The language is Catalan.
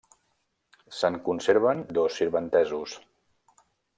Se'n conserven dos sirventesos.